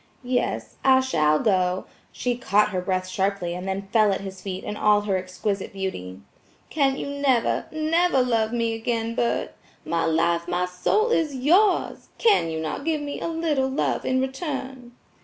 "Yes, I shall go–" She caught her breath sharply and then fell at his feet in all her exquisite beauty. "Can you never, NEVER love me again, Bert? My life, my soul is yours! Can you not give me a little love in return?"